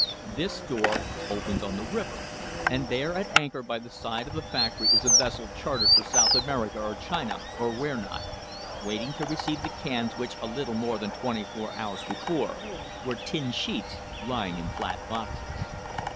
This door opens on the river, and there at anchor by the side of the factory is a vessel chartered for South America or China or where not waiting to receive the cans which a little more than twenty four hours before were tin sheets THE LEGITIMATE GREATNESS OF THE COMPANY lying in flat boxes.